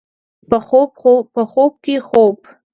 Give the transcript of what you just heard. په خوب کې خوب